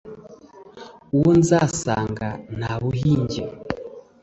uwo nzasanga nta buhinge